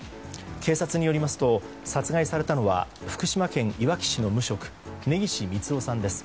警察によりますと殺害されたのは福島県いわき市の無職根岸三男さんです。